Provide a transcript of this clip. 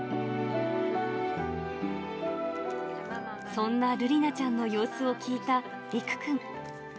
そんなるりなちゃんの様子を聞いたりくくん。